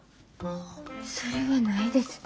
それはないです。